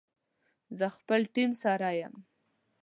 زه خپل ټیم سره یم